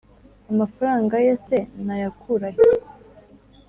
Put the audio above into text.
amafaranga ye se nayakurahe,